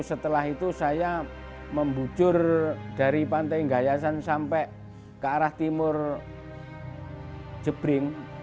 setelah itu saya membujur dari pantai gayasan sampai ke arah timur jebring